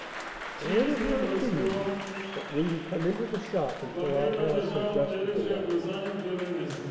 "I am of your opinion. But will you come into the shop until our horse has rested awhile?"